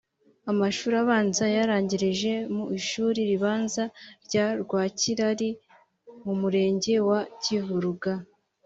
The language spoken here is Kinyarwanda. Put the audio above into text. Amashuri abanza yayarangirije mu Ishuri Ribanza rya Rwakirari mu murenge wa Kivuruga